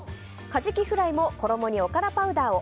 カジキフライも衣におからパウダーを。